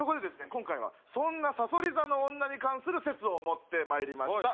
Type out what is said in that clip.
今回はそんな「さそり座の女」に関する説を持ってまいりました